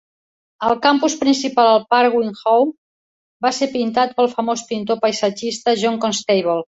El campus principal, el parc Wivenhoe, va ser pintat pel famós pintor paisatgista John Constable.